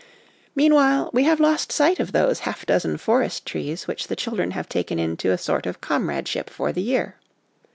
Meanwhile, we have lost sight of those half dozen forest trees which the children have taken into a sort of comradeship for the year.